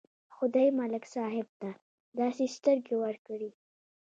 خدای ملک صاحب ته داسې سترګې ورکړې.